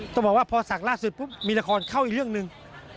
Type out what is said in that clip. ต้องบอกว่าพอศักดิ์ล่าสุดปุ๊บมีละครเข้าอีกเรื่องหนึ่ง